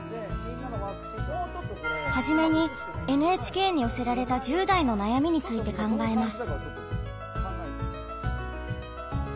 はじめにＮＨＫに寄せられた１０代の悩みについて考えます。